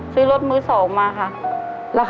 ซื้อรถมือสองบ้านมาค่ะ